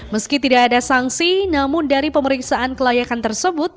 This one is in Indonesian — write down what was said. meski tidak ada sanksi namun dari pemeriksaan kelayakan tersebut